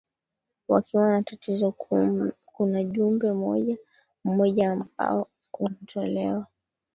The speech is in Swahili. wakiwa na tatizo kuna mjumbe mmoja ambao unatolewa